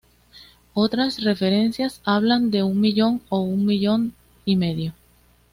Otras referencias hablan de un millón o un millón y medio.